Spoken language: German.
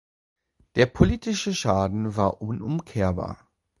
Der politische Schaden war unumkehrbar.